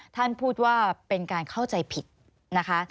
ท่านพูดว่าเป็นการเข้าใจผิดนะคะ